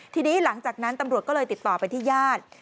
ทีนี้หลังจากนั้นตำรวจก็เลยติดต่อไปที่ญาติ